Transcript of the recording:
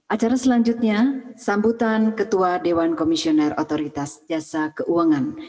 acara selanjutnya sambutan ketua dewan komisioner otoritas jasa keuangan